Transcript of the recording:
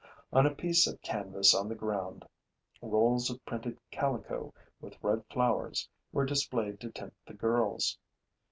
On a piece of canvas on the ground, rolls of printed calico with red flowers, were displayed to tempt the girls.